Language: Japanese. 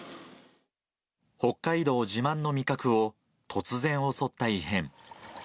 北海道自慢の味覚を突然襲った異変。